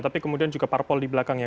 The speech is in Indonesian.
tapi kemudian juga parpol di belakangnya